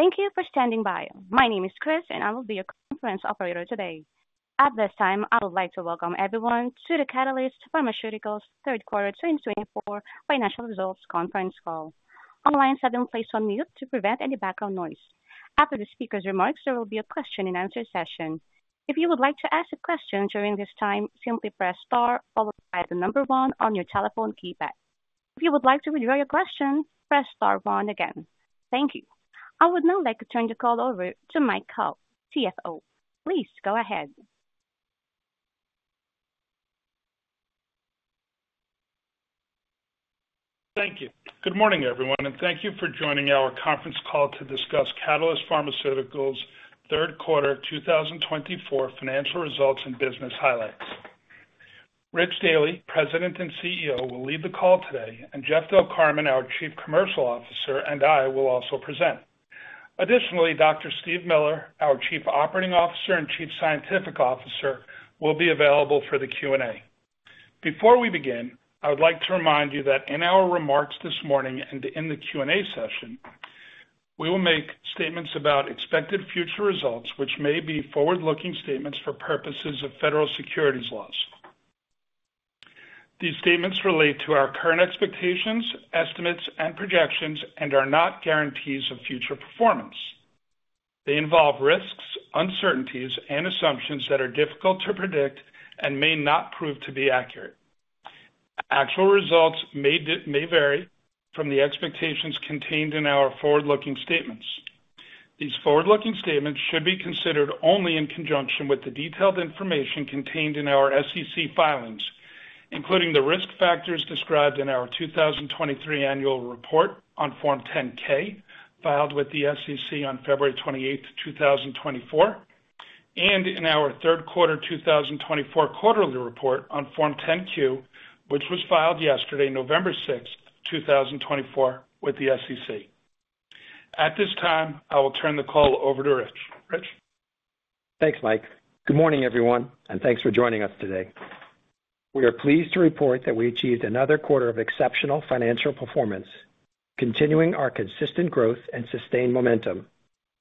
Thank you for standing by. My name is Chris, and I will be your conference operator today. At this time, I would like to welcome everyone to the Catalyst Pharmaceuticals' third quarter 2024 financial results conference call. Online settings are placed on mute to prevent any background noise. After the speaker's remarks, there will be a question-and-answer session. If you would like to ask a question during this time, simply press star followed by the number one on your telephone keypad. If you would like to withdraw your question, press star one again. Thank you. I would now like to turn the call over to Mike Kalb, CFO. Please go ahead. Thank you. Good morning, everyone, and thank you for joining our conference call to discuss Catalyst Pharmaceuticals' third quarter 2024 financial results and business highlights. Rich Daly, President and CEO, will lead the call today, and Jeff Del Carmen, our Chief Commercial Officer, and I will also present. Additionally, Dr. Steve Miller, our Chief Operating Officer and Chief Scientific Officer, will be available for the Q&A. Before we begin, I would like to remind you that in our remarks this morning and in the Q&A session, we will make statements about expected future results, which may be forward-looking statements for purposes of federal securities laws. These statements relate to our current expectations, estimates, and projections, and are not guarantees of future performance. They involve risks, uncertainties, and assumptions that are difficult to predict and may not prove to be accurate. Actual results may vary from the expectations contained in our forward-looking statements. These forward-looking statements should be considered only in conjunction with the detailed information contained in our SEC filings, including the risk factors described in our 2023 annual report on Form 10-K filed with the SEC on February 28, 2024, and in our third quarter 2024 quarterly report on Form 10-Q, which was filed yesterday, November 6, 2024, with the SEC. At this time, I will turn the call over to Rich. Thanks, Mike. Good morning, everyone, and thanks for joining us today. We are pleased to report that we achieved another quarter of exceptional financial performance, continuing our consistent growth and sustained momentum.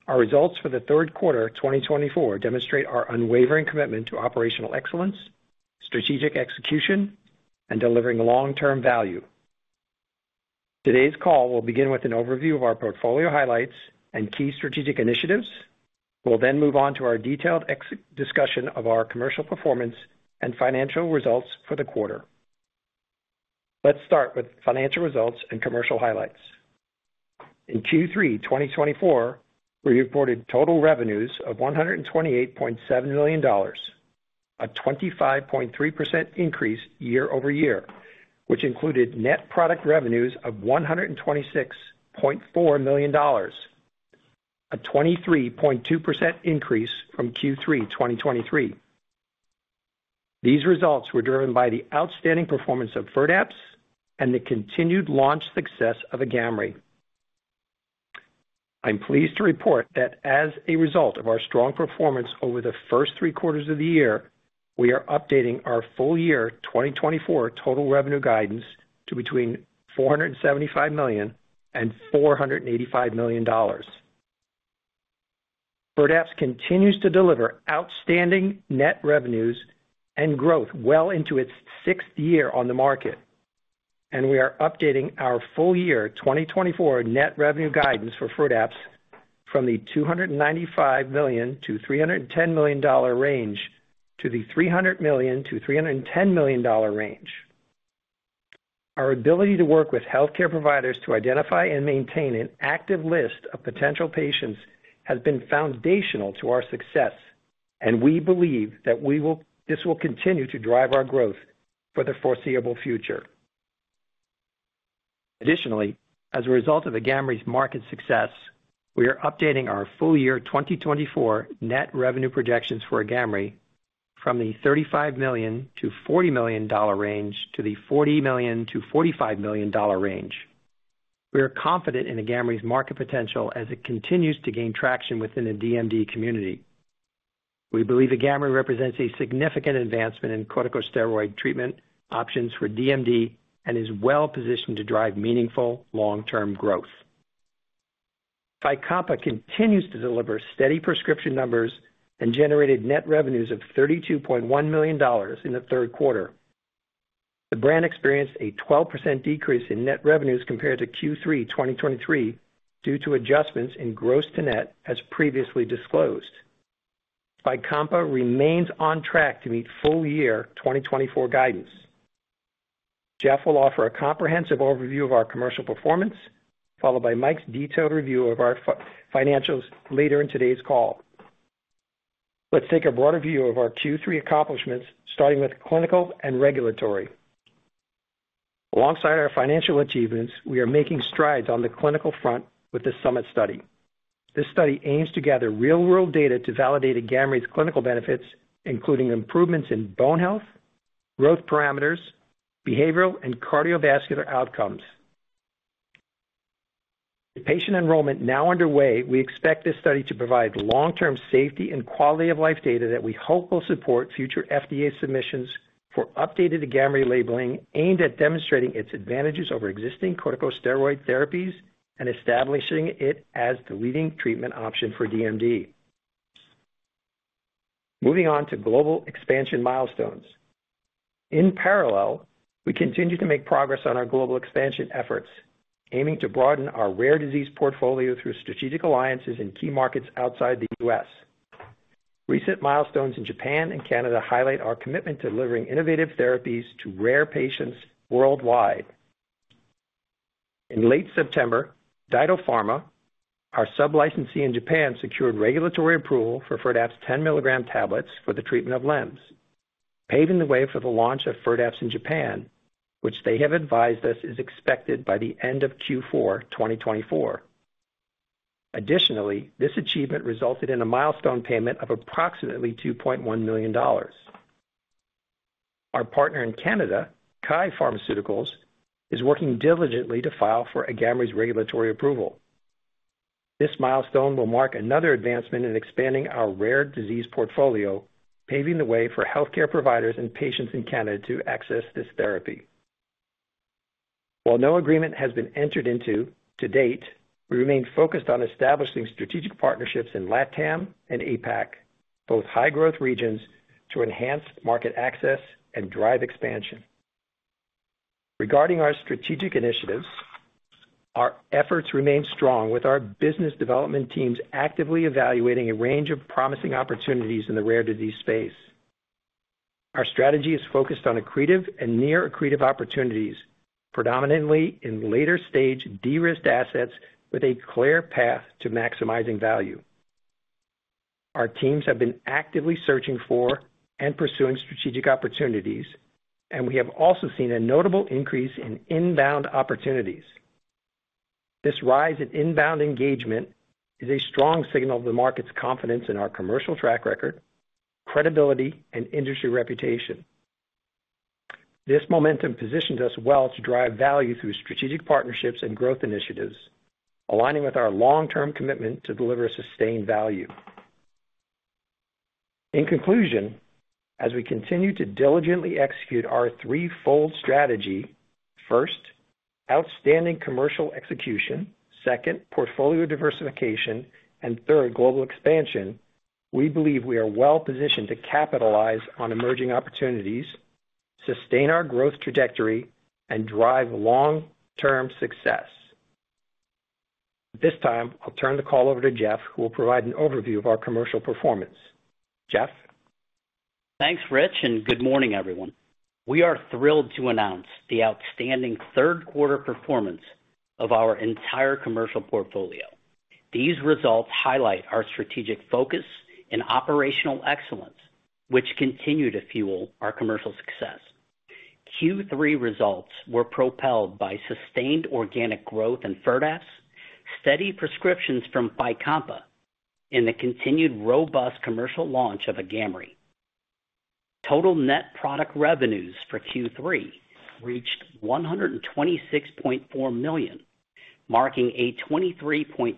Our results for the third quarter 2024 demonstrate our unwavering commitment to operational excellence, strategic execution, and delivering long-term value. Today's call will begin with an overview of our portfolio highlights and key strategic initiatives. We'll then move on to our detailed discussion of our commercial performance and financial results for the quarter. Let's start with financial results and commercial highlights. In Q3 2024, we reported total revenues of $128.7 million, a 25.3% increase year-over-year, which included net product revenues of $126.4 million, a 23.2% increase from Q3 2023. These results were driven by the outstanding performance of Firdapse and the continued launch success of Agamree. I'm pleased to report that as a result of our strong performance over the first three quarters of the year, we are updating our full year 2024 total revenue guidance to between $475 million and $485 million. Firdapse continues to deliver outstanding net revenues and growth well into its sixth year on the market, and we are updating our full year 2024 net revenue guidance for Firdapse from the $295 million to $310 million range to the $300 million to $310 million range. Our ability to work with healthcare providers to identify and maintain an active list of potential patients has been foundational to our success, and we believe that this will continue to drive our growth for the foreseeable future. Additionally, as a result of Agamree's market success, we are updating our full year 2024 net revenue projections for Agamree from the $35 million to $40 million range to the $40 million to $45 million range. We are confident in Agamree's market potential as it continues to gain traction within the DMD community. We believe Agamree represents a significant advancement in corticosteroid treatment options for DMD and is well positioned to drive meaningful long-term growth. Fycompa continues to deliver steady prescription numbers and generated net revenues of $32.1 million in the third quarter. The brand experienced a 12% decrease in net revenues compared to Q3 2023 due to adjustments in gross-to-net, as previously disclosed. Fycompa remains on track to meet full year 2024 guidance. Jeff will offer a comprehensive overview of our commercial performance, followed by Mike's detailed review of our financials later in today's call. Let's take a broader view of our Q3 accomplishments, starting with clinical and regulatory. Alongside our financial achievements, we are making strides on the clinical front with the SUMMIT study. This study aims to gather real-world data to validate Agamree's clinical benefits, including improvements in bone health, growth parameters, behavioral, and cardiovascular outcomes. With patient enrollment now underway, we expect this study to provide long-term safety and quality of life data that we hope will support future FDA submissions for updated Agamree labeling aimed at demonstrating its advantages over existing corticosteroid therapies and establishing it as the leading treatment option for DMD. Moving on to global expansion milestones. In parallel, we continue to make progress on our global expansion efforts, aiming to broaden our rare disease portfolio through strategic alliances in key markets outside the U.S. Recent milestones in Japan and Canada highlight our commitment to delivering innovative therapies to rare patients worldwide. In late September, DyDo Pharma, our sub-licensee in Japan, secured regulatory approval for Firdapse 10 milligram tablets for the treatment of LEMS, paving the way for the launch of Firdapse in Japan, which they have advised us is expected by the end of Q4 2024. Additionally, this achievement resulted in a milestone payment of approximately $2.1 million. Our partner in Canada, KYE Pharmaceuticals, is working diligently to file for Agamree's regulatory approval. This milestone will mark another advancement in expanding our rare disease portfolio, paving the way for healthcare providers and patients in Canada to access this therapy. While no agreement has been entered into to date, we remain focused on establishing strategic partnerships in LATAM and APAC, both high-growth regions, to enhance market access and drive expansion. Regarding our strategic initiatives, our efforts remain strong, with our business development teams actively evaluating a range of promising opportunities in the rare disease space. Our strategy is focused on accretive and near-accretive opportunities, predominantly in later-stage de-risked assets with a clear path to maximizing value. Our teams have been actively searching for and pursuing strategic opportunities, and we have also seen a notable increase in inbound opportunities. This rise in inbound engagement is a strong signal of the market's confidence in our commercial track record, credibility, and industry reputation. This momentum positions us well to drive value through strategic partnerships and growth initiatives, aligning with our long-term commitment to deliver sustained value. In conclusion, as we continue to diligently execute our threefold strategy: first, outstanding commercial execution, second, portfolio diversification, and third, global expansion, we believe we are well positioned to capitalize on emerging opportunities, sustain our growth trajectory, and drive long-term success. At this time, I'll turn the call over to Jeff, who will provide an overview of our commercial performance. Jeff. Thanks, Rich, and good morning, everyone. We are thrilled to announce the outstanding third quarter performance of our entire commercial portfolio. These results highlight our strategic focus and operational excellence, which continue to fuel our commercial success. Q3 results were propelled by sustained organic growth in Firdapse, steady prescriptions from Fycompa, and the continued robust commercial launch of Agamree. Total net product revenues for Q3 reached $126.4 million, marking a 23.2%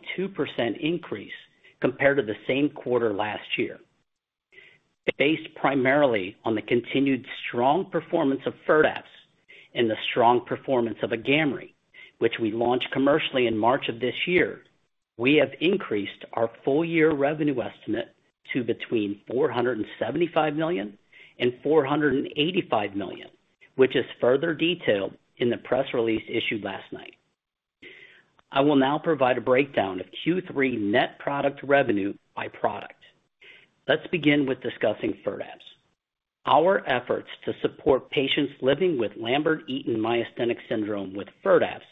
increase compared to the same quarter last year. Based primarily on the continued strong performance of Firdapse and the strong performance of Agamree, which we launched commercially in March of this year, we have increased our full year revenue estimate to between $475 million and $485 million, which is further detailed in the press release issued last night. I will now provide a breakdown of Q3 net product revenue by product. Let's begin with discussing Firdapse. Our efforts to support patients living with Lambert-Eaton myasthenic syndrome with Firdapse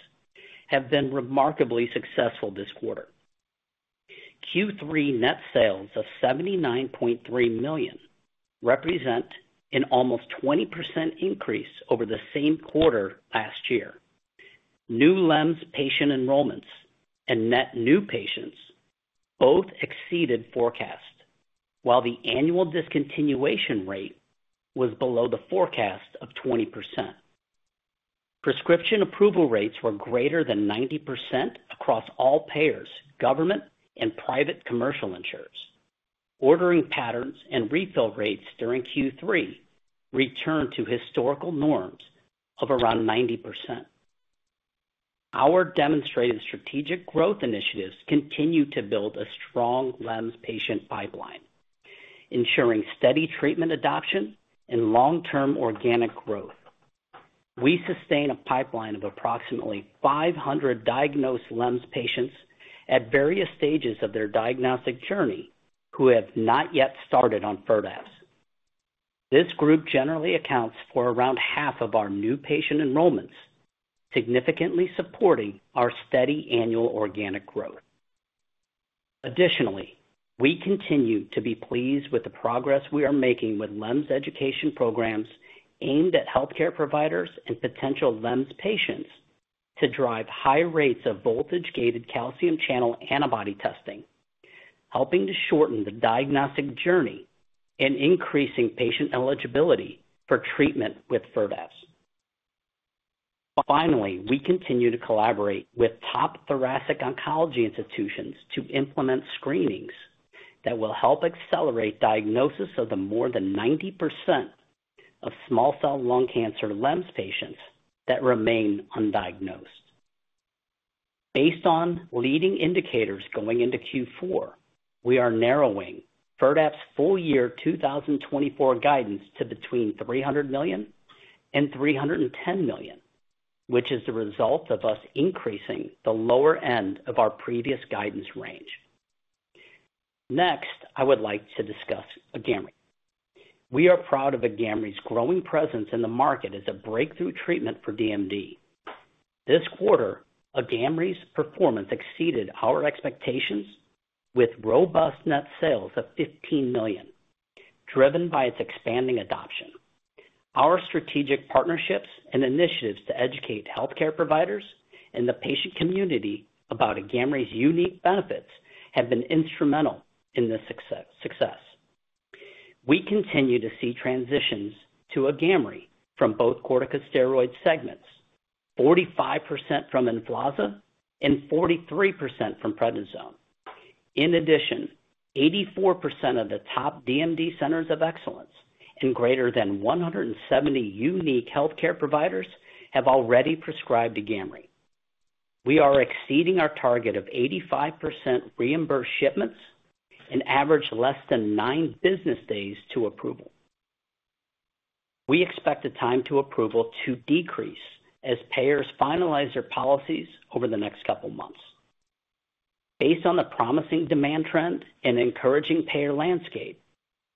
have been remarkably successful this quarter. Q3 net sales of $79.3 million represent an almost 20% increase over the same quarter last year. New LEMS patient enrollments and net new patients both exceeded forecasts, while the annual discontinuation rate was below the forecast of 20%. Prescription approval rates were greater than 90% across all payers, government, and private commercial insurers. Ordering patterns and refill rates during Q3 returned to historical norms of around 90%. Our demonstrated strategic growth initiatives continue to build a strong LEMS patient pipeline, ensuring steady treatment adoption and long-term organic growth. We sustain a pipeline of approximately 500 diagnosed LEMS patients at various stages of their diagnostic journey who have not yet started on Firdapse. This group generally accounts for around half of our new patient enrollments, significantly supporting our steady annual organic growth. Additionally, we continue to be pleased with the progress we are making with LEMS education programs aimed at healthcare providers and potential LEMS patients to drive high rates of voltage-gated calcium channel antibody testing, helping to shorten the diagnostic journey and increasing patient eligibility for treatment with Firdapse. Finally, we continue to collaborate with top thoracic oncology institutions to implement screenings that will help accelerate diagnosis of the more than 90% of small cell lung cancer LEMS patients that remain undiagnosed. Based on leading indicators going into Q4, we are narrowing Firdapse full year 2024 guidance to between $300 million and $310 million, which is the result of us increasing the lower end of our previous guidance range. Next, I would like to discuss Agamree. We are proud of Agamree's growing presence in the market as a breakthrough treatment for DMD. This quarter, Agamree's performance exceeded our expectations with robust net sales of $15 million, driven by its expanding adoption. Our strategic partnerships and initiatives to educate healthcare providers and the patient community about Agamree's unique benefits have been instrumental in this success. We continue to see transitions to Agamree from both corticosteroid segments, 45% from Emflaza and 43% from prednisone. In addition, 84% of the top DMD centers of excellence and greater than 170 unique healthcare providers have already prescribed Agamree. We are exceeding our target of 85% reimbursed shipments and average less than nine business days to approval. We expect the time to approval to decrease as payers finalize their policies over the next couple of months. Based on the promising demand trend and encouraging payer landscape,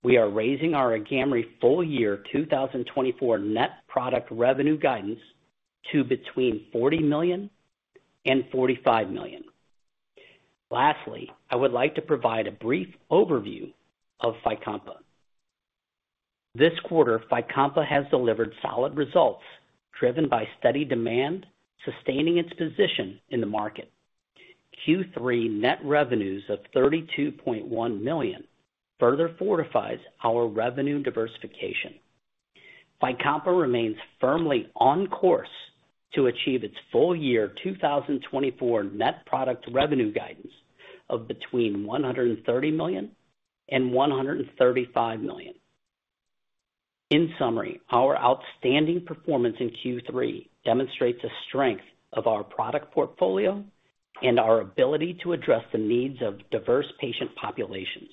we are raising our Agamree full year 2024 net product revenue guidance to between $40 million and $45 million. Lastly, I would like to provide a brief overview of Fycompa. This quarter, Fycompa has delivered solid results driven by steady demand, sustaining its position in the market. Q3 net revenues of $32.1 million further fortifies our revenue diversification. Fycompa remains firmly on course to achieve its full year 2024 net product revenue guidance of between $130 million and $135 million. In summary, our outstanding performance in Q3 demonstrates the strength of our product portfolio and our ability to address the needs of diverse patient populations.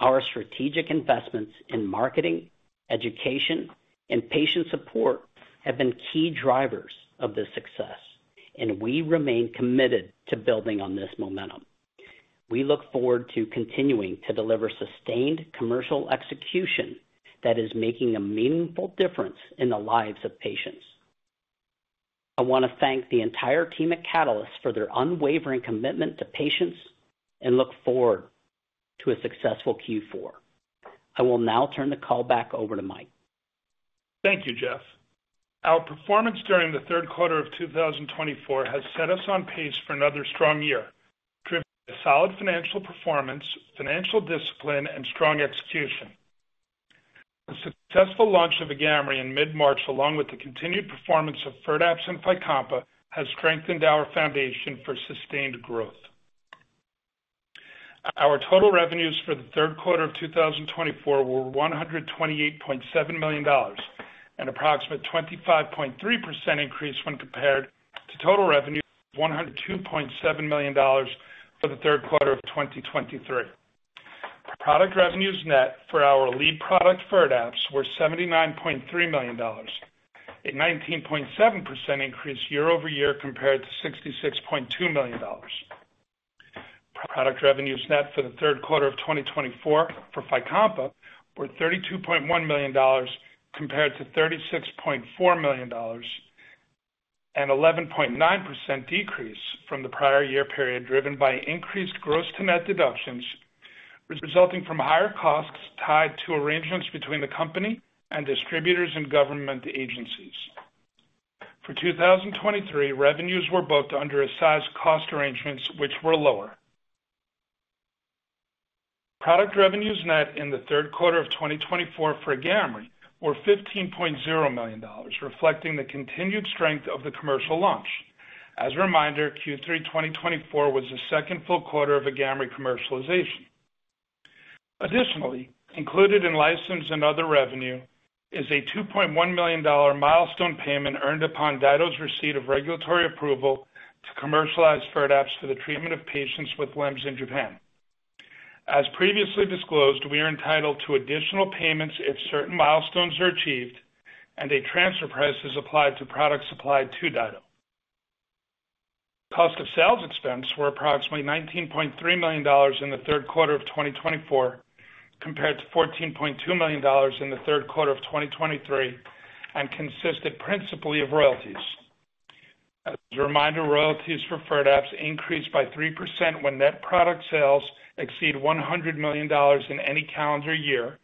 Our strategic investments in marketing, education, and patient support have been key drivers of this success, and we remain committed to building on this momentum. We look forward to continuing to deliver sustained commercial execution that is making a meaningful difference in the lives of patients. I want to thank the entire team at Catalyst for their unwavering commitment to patients and look forward to a successful Q4. I will now turn the call back over to Mike. Thank you, Jeff. Our performance during the third quarter of 2024 has set us on pace for another strong year, driven by solid financial performance, financial discipline, and strong execution. The successful launch of Agamree in mid-March, along with the continued performance of Firdapse and Fycompa, has strengthened our foundation for sustained growth. Our total revenues for the third quarter of 2024 were $128.7 million and an approximate 25.3% increase when compared to total revenues of $102.7 million for the third quarter of 2023. Product revenues net for our lead product Firdapse were $79.3 million, a 19.7% increase year-over-year compared to $66.2 million. Product revenues net for the third quarter of 2024 for Fycompa were $32.1 million compared to $36.4 million, an 11.9% decrease from the prior year period driven by increased gross to net deductions resulting from higher costs tied to arrangements between the company and distributors and government agencies. For 2023, revenues were booked under Eisai's cost arrangements, which were lower. Product revenues net in the third quarter of 2024 for Agamree were $15.0 million, reflecting the continued strength of the commercial launch. As a reminder, Q3 2024 was the second full quarter of Agamree commercialization. Additionally, included in license and other revenue is a $2.1 million milestone payment earned upon DyDo's receipt of regulatory approval to commercialize Firdapse for the treatment of patients with LEMS in Japan. As previously disclosed, we are entitled to additional payments if certain milestones are achieved and a transfer price is applied to products supplied to DyDo. Cost of sales expenses were approximately $19.3 million in the third quarter of 2024 compared to $14.2 million in the third quarter of 2023 and consisted principally of royalties. As a reminder, royalties for Firdapse increased by 3% when net product sales exceed $100 million in any calendar year,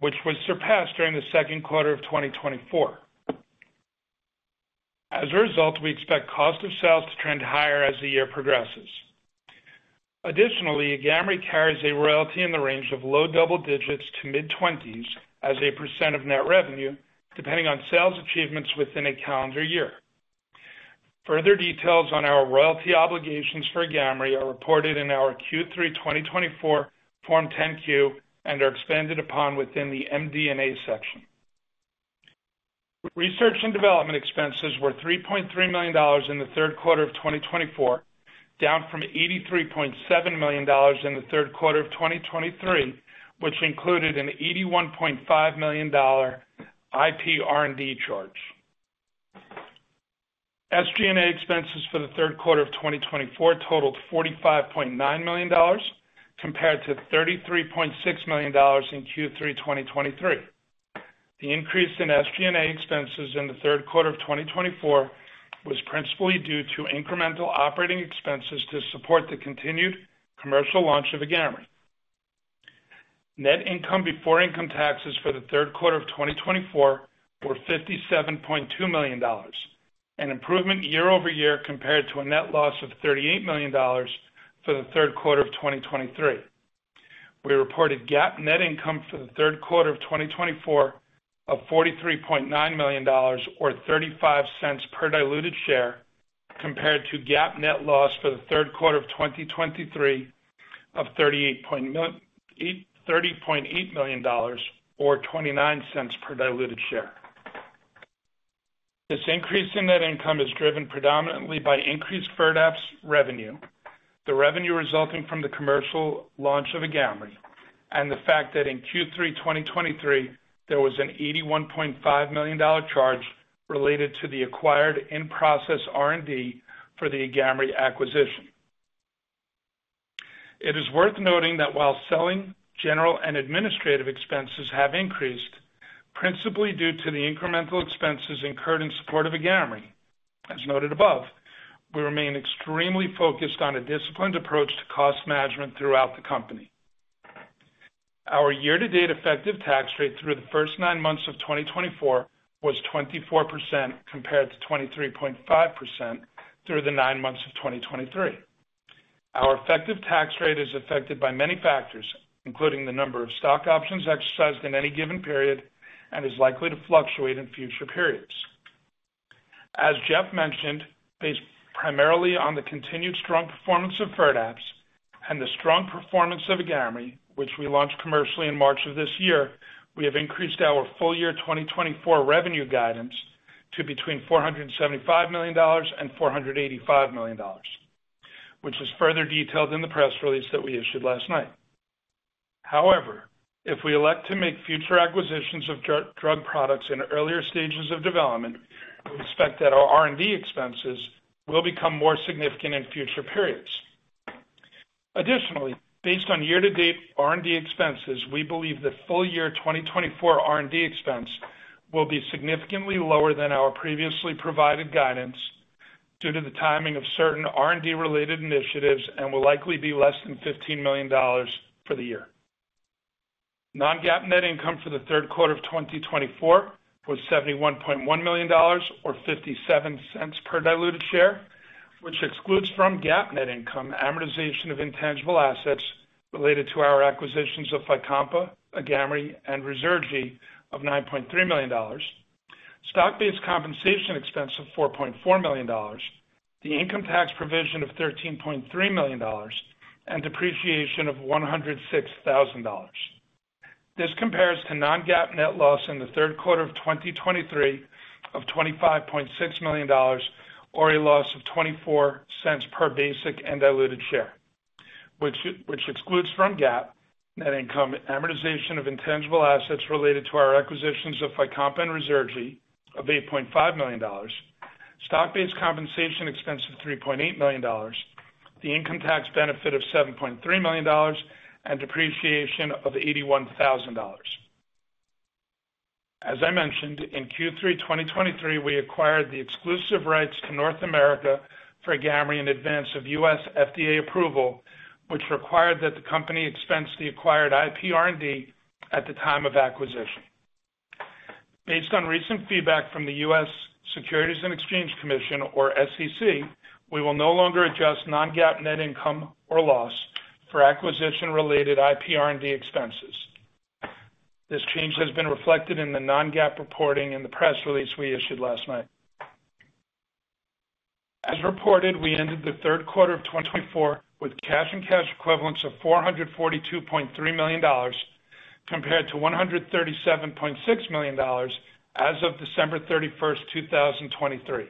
which was surpassed during the second quarter of 2024. As a result, we expect cost of sales to trend higher as the year progresses. Additionally, Agamree carries a royalty in the range of low double digits to mid-20s as a % of net revenue, depending on sales achievements within a calendar year. Further details on our royalty obligations for Agamree are reported in our Q3 2024 Form 10-Q and are expanded upon within the MD&A section. Research and development expenses were $3.3 million in the third quarter of 2024, down from $83.7 million in the third quarter of 2023, which included an $81.5 million IP R&D charge. SG&A expenses for the third quarter of 2024 totaled $45.9 million compared to $33.6 million in Q3 2023. The increase in SG&A expenses in the third quarter of 2024 was principally due to incremental operating expenses to support the continued commercial launch of Agamree. Net income before income taxes for the third quarter of 2024 were $57.2 million, an improvement year over year compared to a net loss of $38 million for the third quarter of 2023. We reported GAAP net income for the third quarter of 2024 of $43.9 million, or $0.35 per diluted share, compared to GAAP net loss for the third quarter of 2023 of $38.8 million, or $0.29 per diluted share. This increase in net income is driven predominantly by increased Firdapse revenue, the revenue resulting from the commercial launch of Agamree, and the fact that in Q3 2023, there was an $81.5 million charge related to the acquired in-process R&D for the Agamree acquisition. It is worth noting that while selling general and administrative expenses have increased principally due to the incremental expenses incurred in support of Agamree, as noted above, we remain extremely focused on a disciplined approach to cost management throughout the company. Our year-to-date effective tax rate through the first nine months of 2024 was 24% compared to 23.5% through the nine months of 2023. Our effective tax rate is affected by many factors, including the number of stock options exercised in any given period and is likely to fluctuate in future periods. As Jeff mentioned, based primarily on the continued strong performance of Firdapse and the strong performance of Agamree, which we launched commercially in March of this year, we have increased our full year 2024 revenue guidance to between $475 million and $485 million, which is further detailed in the press release that we issued last night. However, if we elect to make future acquisitions of drug products in earlier stages of development, we expect that our R&D expenses will become more significant in future periods. Additionally, based on year-to-date R&D expenses, we believe the full year 2024 R&D expense will be significantly lower than our previously provided guidance due to the timing of certain R&D-related initiatives and will likely be less than $15 million for the year. Non-GAAP net income for the third quarter of 2024 was $71.1 million, or $0.57 per diluted share, which excludes from GAAP net income amortization of intangible assets related to our acquisitions of Fycompa, Agamree, and Firdapse of $9.3 million, stock-based compensation expense of $4.4 million, the income tax provision of $13.3 million, and depreciation of $106,000. This compares to non-GAAP net loss in the third quarter of 2023 of $25.6 million, or a loss of $0.24 per basic and diluted share, which excludes from GAAP net income amortization of intangible assets related to our acquisitions of Fycompa and Ruzurgi of $8.5 million, stock-based compensation expense of $3.8 million, the income tax benefit of $7.3 million, and depreciation of $81,000. As I mentioned, in Q3 2023, we acquired the exclusive rights to North America for Agamree in advance of U.S. FDA approval, which required that the company expense the acquired IP R&D at the time of acquisition. Based on recent feedback from the U.S. Securities and Exchange Commission, or SEC, we will no longer adjust non-GAAP net income or loss for acquisition-related IP R&D expenses. This change has been reflected in the non-GAAP reporting in the press release we issued last night. As reported, we ended the third quarter of 2024 with cash and cash equivalents of $442.3 million compared to $137.6 million as of December 31, 2023.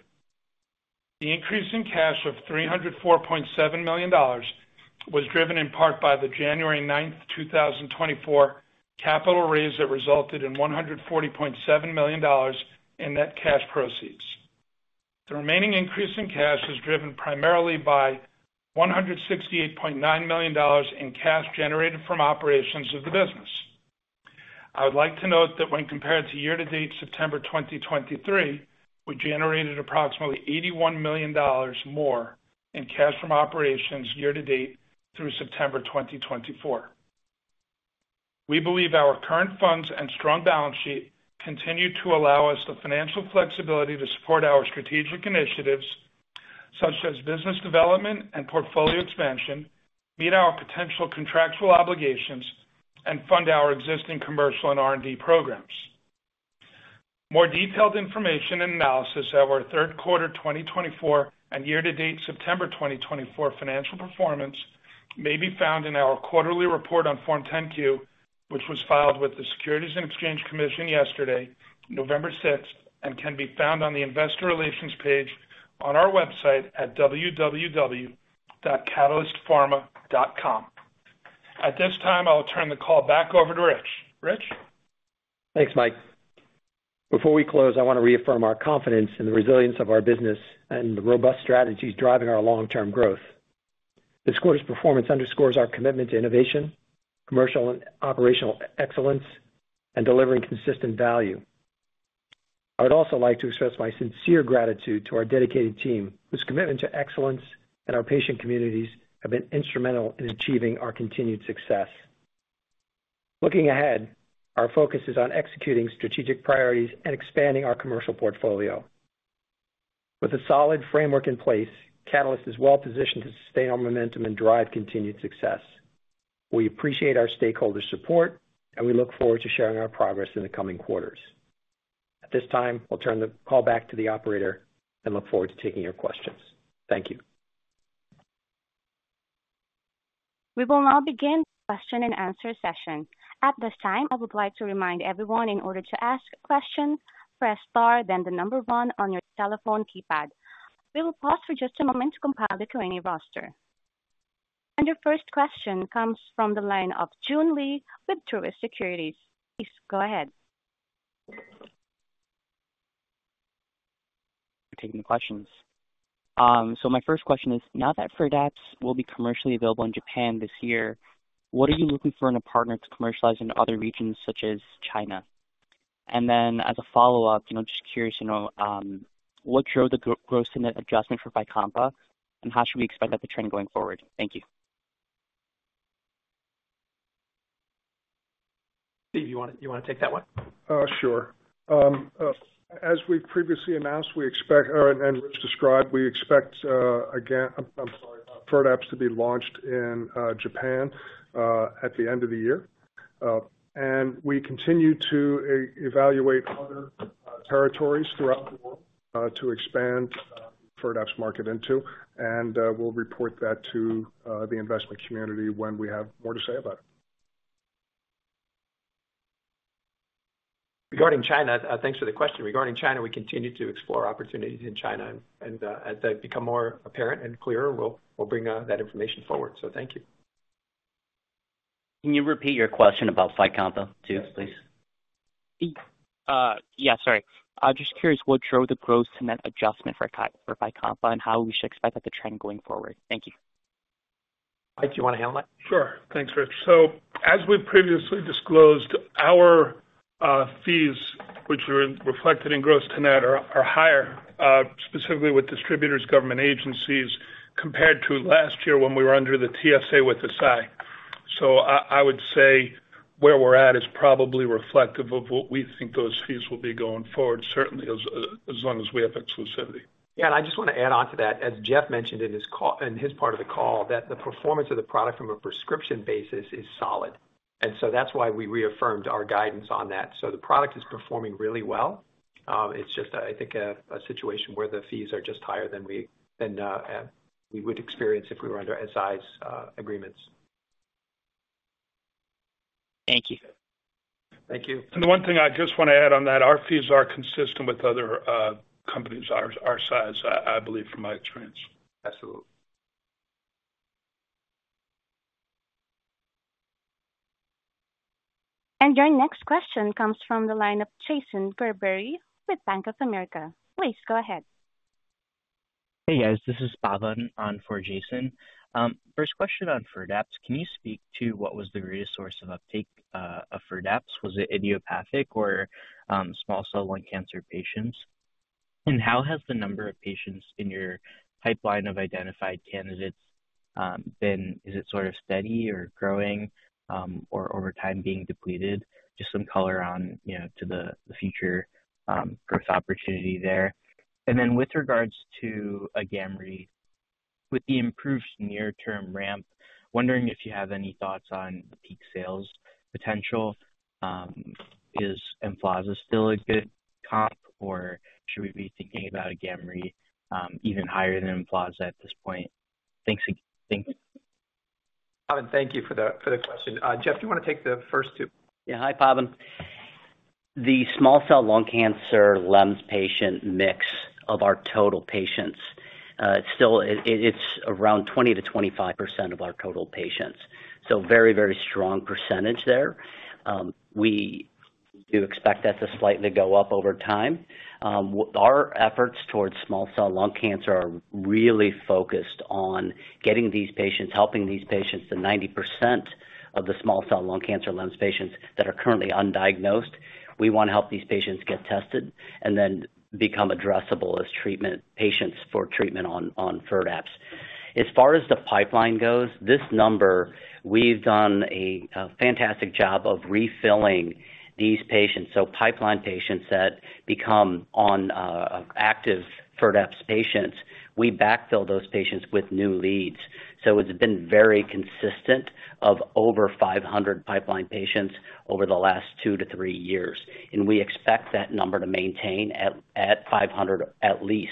The increase in cash of $304.7 million was driven in part by the January 9, 2024, capital raise that resulted in $140.7 million in net cash proceeds. The remaining increase in cash is driven primarily by $168.9 million in cash generated from operations of the business. I would like to note that when compared to year-to-date September 2023, we generated approximately $81 million more in cash from operations year-to-date through September 2024. We believe our current funds and strong balance sheet continue to allow us the financial flexibility to support our strategic initiatives, such as business development and portfolio expansion, meet our potential contractual obligations, and fund our existing commercial and R&D programs. More detailed information and analysis of our third quarter 2024 and year-to-date September 2024 financial performance may be found in our quarterly report on Form 10-Q, which was filed with the Securities and Exchange Commission yesterday, November 6, and can be found on the investor relations page on our website at www.catalystpharma.com. At this time, I'll turn the call back over to Rich. Rich? Thanks, Mike. Before we close, I want to reaffirm our confidence in the resilience of our business and the robust strategies driving our long-term growth. This quarter's performance underscores our commitment to innovation, commercial and operational excellence, and delivering consistent value. I would also like to express my sincere gratitude to our dedicated team, whose commitment to excellence and our patient communities have been instrumental in achieving our continued success. Looking ahead, our focus is on executing strategic priorities and expanding our commercial portfolio. With a solid framework in place, Catalyst is well-positioned to sustain our momentum and drive continued success. We appreciate our stakeholders' support, and we look forward to sharing our progress in the coming quarters. At this time, I'll turn the call back to the operator and look forward to taking your questions. Thank you. We will now begin the question-and-answer session. At this time, I would like to remind everyone in order to ask a question, press star, then the number one on your telephone keypad. We will pause for just a moment to compile the Q&A roster. And your first question comes from the line of Jun Lee with Truist Securities. Please go ahead. Taking the questions. So my first question is, now that Firdapse will be commercially available in Japan this year, what are you looking for in a partner to commercialize in other regions, such as China? And then as a follow-up, you know, just curious, you know, what drove the gross-to-net adjustment for Fycompa, and how should we expect that to trend going forward? Thank you. Steve, you want to take that one? Sure. As we've previously announced, we expect, and Rich described, again, I'm sorry, Firdapse to be launched in Japan at the end of the year. And we continue to evaluate other territories throughout the world to expand Firdapse market into, and we'll report that to the investment community when we have more to say about it. Regarding China, thanks for the question. Regarding China, we continue to explore opportunities in China, and as they become more apparent and clearer, we'll bring that information forward. So thank you. Can you repeat your question about Fycompa, too, please? Yeah, sorry. I'm just curious what drove the gross-to-net adjustment for Fycompa and how we should expect that to trend going forward. Thank you. Mike, do you want to handle that? Sure. Thanks, Rich. So as we've previously disclosed, our fees, which are reflected in gross-to-net, are higher, specifically with distributors, government agencies, compared to last year when we were under the TSA with Eisai. So I would say where we're at is probably reflective of what we think those fees will be going forward, certainly as long as we have exclusivity. Yeah, and I just want to add on to that, as Jeff mentioned in his part of the call, that the performance of the product from a prescription basis is solid. And so that's why we reaffirmed our guidance on that. So the product is performing really well. It's just, I think, a situation where the fees are just higher than we would experience if we were under Eisai's agreements. Thank you. Thank you. The one thing I just want to add on that, our fees are consistent with other companies our size, I believe, from my experience. Absolutely. Your next question comes from the line of Jason Gerbery with Bank of America. Please go ahead. Hey, guys. This is Pavan on for Jason. First question on Firdapse. Can you speak to what was the greatest source of uptake of Firdapse? Was it idiopathic or small cell lung cancer patients? And how has the number of patients in your pipeline of identified candidates been? Is it sort of steady or growing or over time being depleted? Just some color on to the future growth opportunity there. And then with regards to Agamree, with the improved near-term ramp, wondering if you have any thoughts on the peak sales potential. Is Emflaza still a good comp, or should we be thinking about Agamree even higher than Emflaza at this point? Thanks. Pavan, thank you for the question. Jeff, do you want to take the first two? Yeah. Hi, Pavan. The small cell lung cancer patients mix of our total patients, it's around 20%-25% of our total patients. So very, very strong percentage there. We do expect that to slightly go up over time. Our efforts towards small cell lung cancer are really focused on getting these patients, helping these patients, the 90% of the small cell lung cancer patients that are currently undiagnosed. We want to help these patients get tested and then become addressable as treatment patients for treatment on Firdapse. As far as the pipeline goes, this number, we've done a fantastic job of refilling these patients. So pipeline patients that become active Firdapse patients, we backfill those patients with new leads. So it's been very consistent of over 500 pipeline patients over the last two to three years. We expect that number to maintain at 500 at least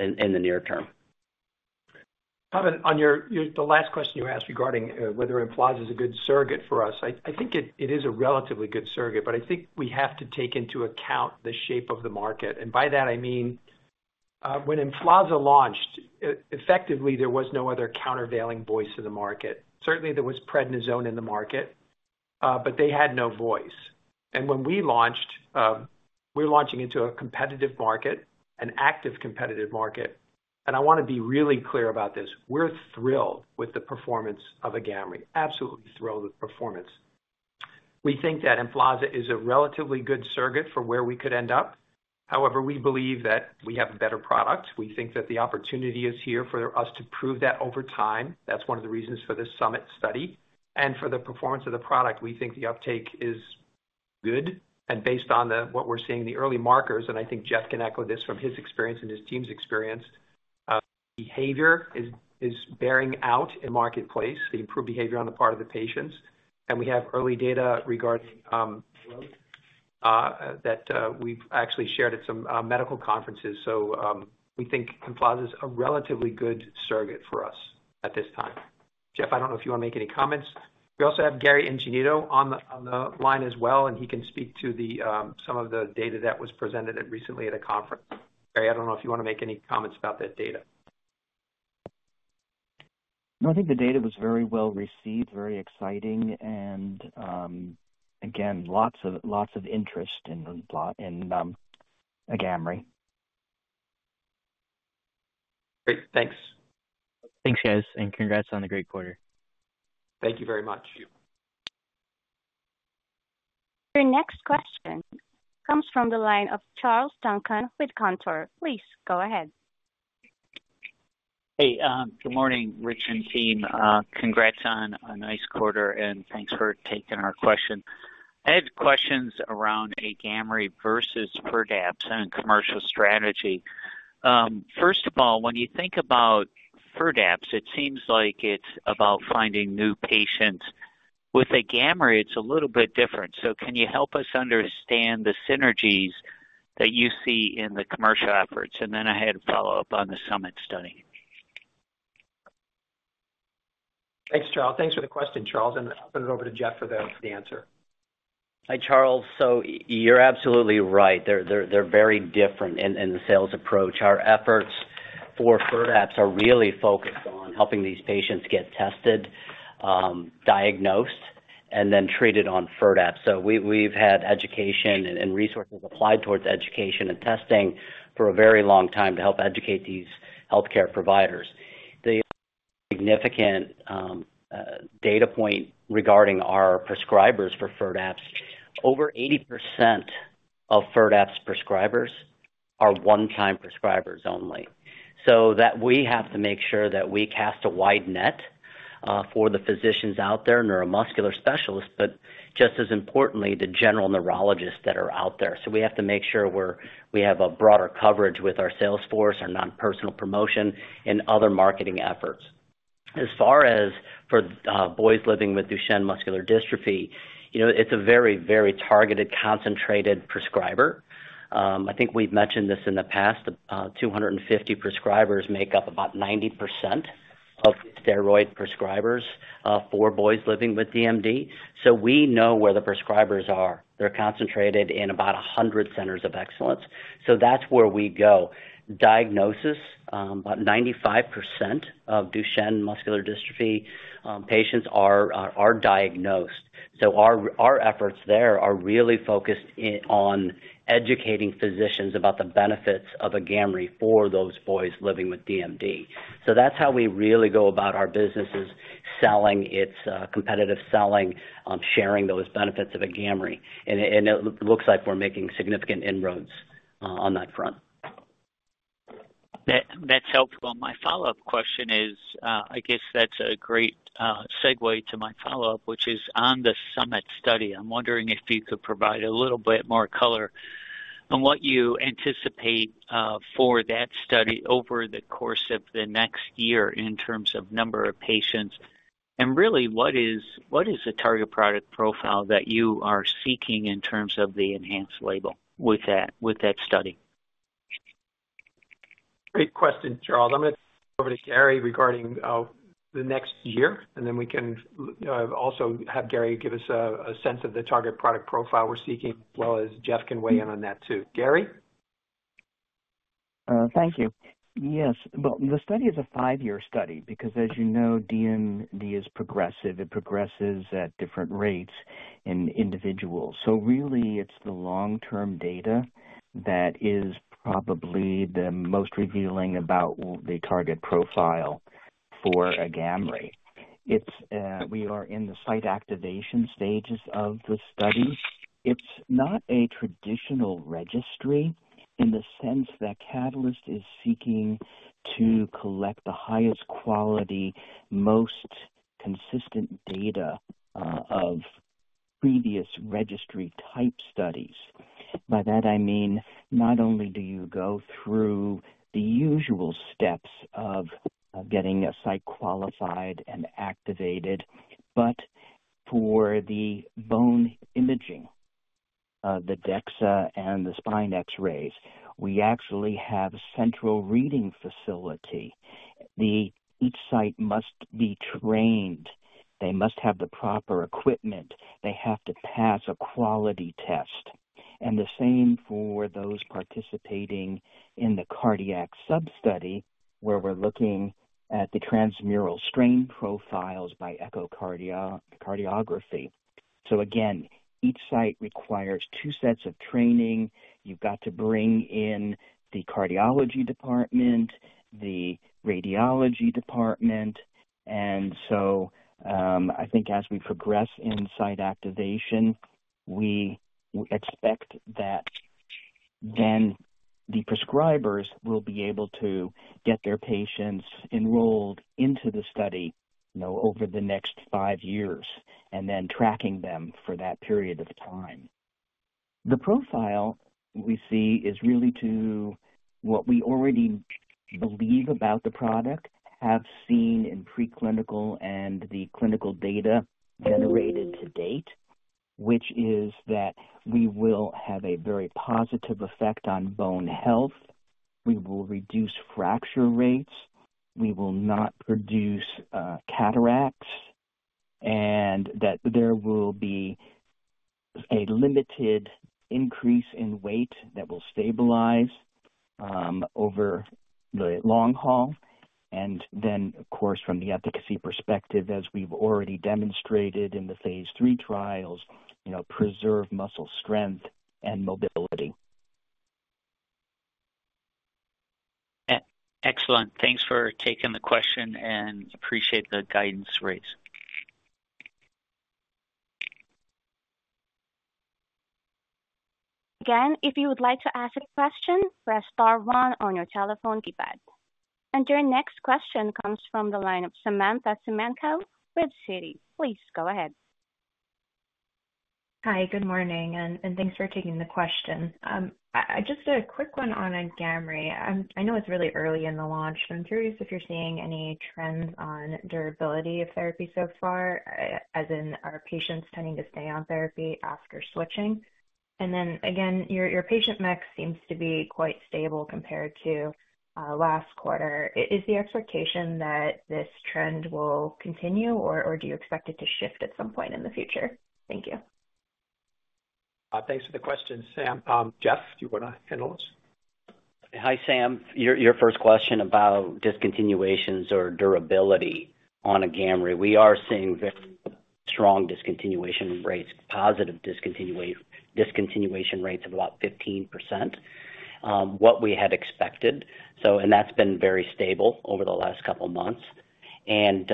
in the near term. Pavan, on the last question you asked regarding whether Emflaza is a good surrogate for us, I think it is a relatively good surrogate, but I think we have to take into account the shape of the market. And by that, I mean, when Emflaza launched, effectively, there was no other countervailing voice in the market. Certainly, there was prednisone in the market, but they had no voice. And when we launched, we're launching into a competitive market, an active competitive market. And I want to be really clear about this. We're thrilled with the performance of Agamree, absolutely thrilled with the performance. We think that Emflaza is a relatively good surrogate for where we could end up. However, we believe that we have a better product. We think that the opportunity is here for us to prove that over time. That's one of the reasons for this SUMMIT study, and for the performance of the product, we think the uptake is good. Based on what we're seeing in the early markers, and I think Jeff can echo this from his experience and his team's experience, behavior is bearing out in the marketplace, the improved behavior on the part of the patients. We have early data regarding growth that we've actually shared at some medical conferences, so we think Emflaza is a relatively good surrogate for us at this time. Jeff, I don't know if you want to make any comments. We also have Gary Ingenito on the line as well, and he can speak to some of the data that was presented recently at a conference. Gary, I don't know if you want to make any comments about that data. No, I think the data was very well received, very exciting, and again, lots of interest in Agamree. Great. Thanks. Thanks, guys, and congrats on the great quarter. Thank you very much. Your next question comes from the line of Charles Duncan with Cantor Fitzgerald. Please go ahead. Hey, good morning, Rich and team. Congrats on a nice quarter, and thanks for taking our question. I had questions around Agamree versus Firdapse and commercial strategy. First of all, when you think about Firdapse, it seems like it's about finding new patients. With Agamree, it's a little bit different. So can you help us understand the synergies that you see in the commercial efforts? And then I had a follow-up on the SUMMIT study. Thanks, Charles. Thanks for the question, Charles, and I'll put it over to Jeff for the answer. Hi, Charles. So you're absolutely right. They're very different in the sales approach. Our efforts for Firdapse are really focused on helping these patients get tested, diagnosed, and then treated on Firdapse. So we've had education and resources applied towards education and testing for a very long time to help educate these healthcare providers. The significant data point regarding our prescribers for Firdapse, over 80% of Firdapse prescribers are one-time prescribers only. So we have to make sure that we cast a wide net for the physicians out there, neuromuscular specialists, but just as importantly, the general neurologists that are out there. So we have to make sure we have a broader coverage with our salesforce, our non-personal promotion, and other marketing efforts. As far as for boys living with Duchenne muscular dystrophy, it's a very, very targeted, concentrated prescriber. I think we've mentioned this in the past. 250 prescribers make up about 90% of steroid prescribers for boys living with DMD. So we know where the prescribers are. They're concentrated in about 100 centers of excellence. So that's where we go. Diagnosis, about 95% of Duchenne muscular dystrophy patients are diagnosed. So our efforts there are really focused on educating physicians about the benefits of Agamree for those boys living with DMD. So that's how we really go about our businesses, selling, it's competitive selling, sharing those benefits of Agamree. And it looks like we're making significant inroads on that front. That's helpful. My follow-up question is, I guess that's a great segue to my follow-up, which is on the SUMMIT study. I'm wondering if you could provide a little bit more color on what you anticipate for that study over the course of the next year in terms of number of patients. And really, what is the target product profile that you are seeking in terms of the enhanced label with that study? Great question, Charles. I'm going to turn it over to Gary regarding the next year, and then we can also have Gary give us a sense of the target product profile we're seeking, as well as Jeff can weigh in on that too. Gary? Thank you. Yes. Well, the study is a five-year study because, as you know, DMD is progressive. It progresses at different rates in individuals. So really, it's the long-term data that is probably the most revealing about the target profile for Agamree. We are in the site activation stages of the study. It's not a traditional registry in the sense that Catalyst is seeking to collect the highest quality, most consistent data of previous registry type studies. By that, I mean, not only do you go through the usual steps of getting a site qualified and activated, but for the bone imaging, the DEXA and the spine X-rays, we actually have a central reading facility. Each site must be trained. They must have the proper equipment. They have to pass a quality test. The same for those participating in the cardiac sub-study where we're looking at the transmural strain profiles by echocardiography. So again, each site requires two sets of training. You've got to bring in the cardiology department, the radiology department. And so I think as we progress in site activation, we expect that then the prescribers will be able to get their patients enrolled into the study over the next five years and then tracking them for that period of time. The profile we see is really to what we already believe about the product, have seen in preclinical and the clinical data generated to date, which is that we will have a very positive effect on bone health. We will reduce fracture rates. We will not produce cataracts, and that there will be a limited increase in weight that will stabilize over the long haul. And then, of course, from the efficacy perspective, as we've already demonstrated in the phase three trials, preserve muscle strength and mobility. Excellent. Thanks for taking the question and appreciate the guidance, Rich. Again, if you would like to ask a question, press star one on your telephone keypad. Your next question comes from the line of Samantha Semenkow with Citi. Please go ahead. Hi, good morning, and thanks for taking the question. Just a quick one on Agamree. I know it's really early in the launch, but I'm curious if you're seeing any trends on durability of therapy so far, as in are patients tending to stay on therapy after switching? And then again, your patient mix seems to be quite stable compared to last quarter. Is the expectation that this trend will continue, or do you expect it to shift at some point in the future? Thank you. Thanks for the question, Sam. Jeff, do you want to handle this? Hi, Sam. Your first question about discontinuations or durability on Agamree. We are seeing very strong discontinuation rates, positive discontinuation rates of about 15%, what we had expected. And that's been very stable over the last couple of months. And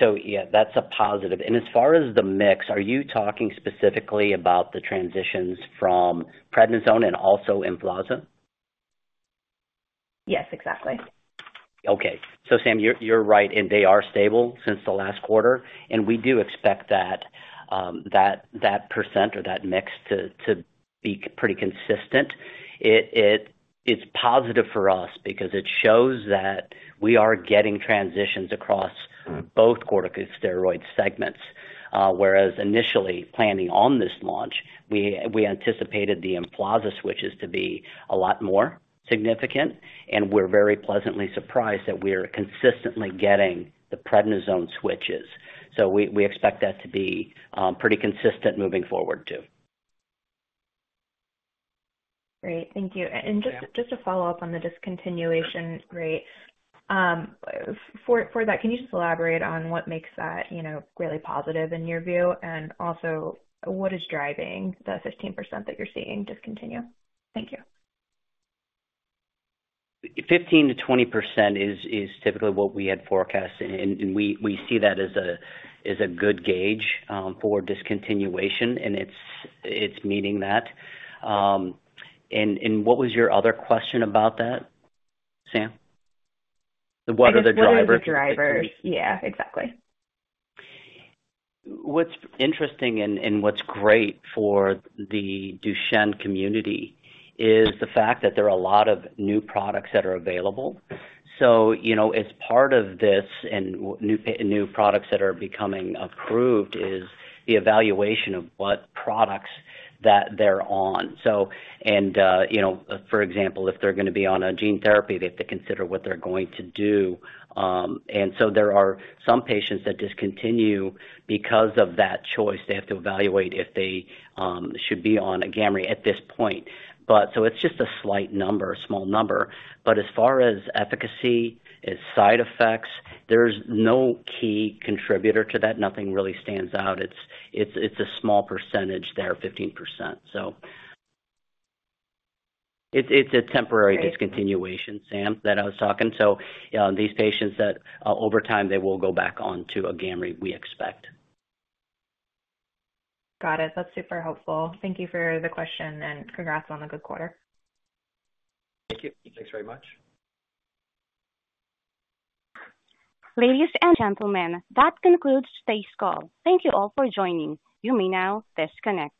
so yeah, that's a positive. And as far as the mix, are you talking specifically about the transitions from prednisone and also Emflaza? Yes, exactly. Okay, so Sam, you're right, and they are stable since the last quarter, and we do expect that percent or that mix to be pretty consistent. It's positive for us because it shows that we are getting transitions across both corticosteroid segments. Whereas initially planning on this launch, we anticipated the Emflaza switches to be a lot more significant, and we're very pleasantly surprised that we are consistently getting the prednisone switches. So we expect that to be pretty consistent moving forward too. Great. Thank you. And just to follow up on the discontinuation rate, for that, can you just elaborate on what makes that really positive in your view? And also, what is driving the 15% that you're seeing discontinue? Thank you. 15%-20% is typically what we had forecast. And we see that as a good gauge for discontinuation, and it's meeting that. And what was your other question about that, Sam? What are the drivers? What are the drivers? Yeah, exactly. What's interesting and what's great for the Duchenne community is the fact that there are a lot of new products that are available. So as part of this and new products that are becoming approved is the evaluation of what products that they're on. For example, if they're going to be on a gene therapy, they have to consider what they're going to do. So there are some patients that discontinue because of that choice. They have to evaluate if they should be on Agamree at this point. It's just a slight number, a small number. But as far as efficacy, side effects, there's no key contributor to that. Nothing really stands out. It's a small percentage there, 15%. It's a temporary discontinuation, Sam, that I was talking. These patients that over time, they will go back on to Agamree, we expect. Got it. That's super helpful. Thank you for the question, and congrats on the good quarter. Thank you. Thanks very much. Ladies and gentlemen, that concludes today's call. Thank you all for joining. You may now disconnect.